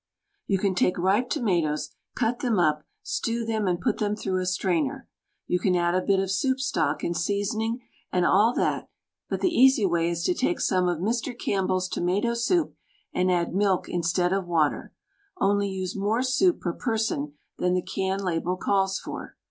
You can take ripe tomatoes, cut them up, stew them and put them through a strainer. You can add a bit of soup stock and seasoning and all that, but the easy way is to take some of Mr. Campbell's tomato soup and add milk instead of water — only use more soup, per person, than the can label calls for.